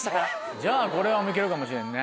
じゃあこれ行けるかもしれんね。